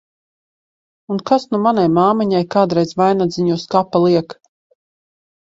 Un kas nu manai māmiņai kādreiz vainadziņu uz kapa liek!